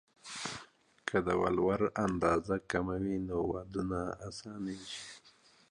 که د ولور اندازه کمه وي، نو ودونه اسانېږي.